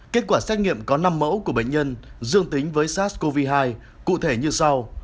kết quả xét nghiệm có năm mẫu của bệnh nhân dương tính với sars cov hai cụ thể như sau